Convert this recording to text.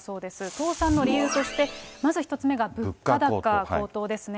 倒産の理由として、まず１つ目が物価高、高騰ですね。